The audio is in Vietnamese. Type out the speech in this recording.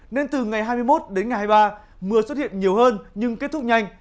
nên từ ngày hai mươi một đến ngày hai mươi ba mưa xuất hiện nhiều hơn nhưng kết thúc nhanh